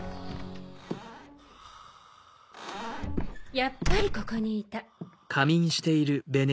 やっぱりここにいた。